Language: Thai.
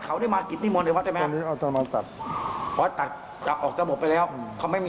ควบคุมไม่ได้อย่างนี้ใช่ไหม